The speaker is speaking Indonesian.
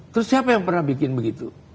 terus siapa yang pernah bikin begitu